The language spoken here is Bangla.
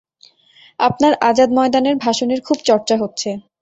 আপনার আজাদ ময়দানের ভাষণের খুব চর্চা হচ্ছে।